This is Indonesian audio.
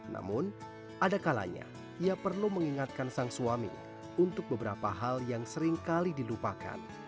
namun ada kalanya ia perlu mengingatkan sang suami untuk beberapa hal yang seringkali dilupakan